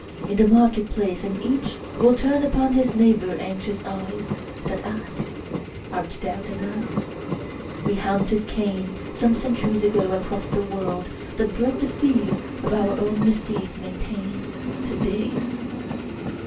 in the market place, and each Will turn upon his neighbor anxious eyes That ask :—'* Art thou the man ?" We himted Cain Some centuries ago, across the worid, That bred the fear our own misdeeds maintain To day.